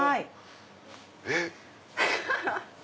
えっ？